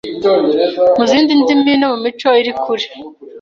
mu zindi ndimi no mu mico iri kure